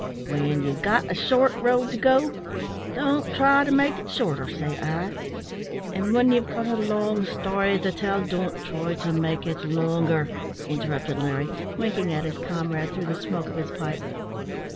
When ye've got a short road to go, don't try to make it shorter, say I " "An' when ye've got a long story to tell, don't try to make it longer," interrupted Larry, winking at his comrade through the smoke of his pipe.